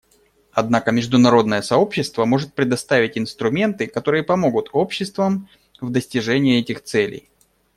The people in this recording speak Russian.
Однако международное сообщество может предоставить инструменты, которые помогут обществам в достижении этих целей.